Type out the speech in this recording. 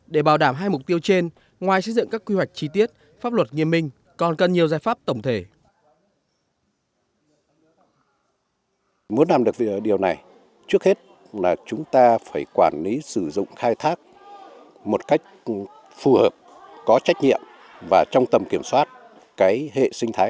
để bảo đảm hai mục tiêu trên ngoài xây dựng các quy hoạch chi tiết pháp luật nghiêm minh còn cần nhiều giải pháp tổng thể